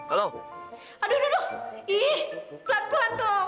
aduh aduh aduh ih pelan pelan dong